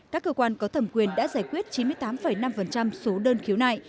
các cơ quan có thẩm quyền đã giải quyết chín mươi tám năm số đơn khiếu nại